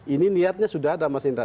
ini niatnya sudah ada mas indra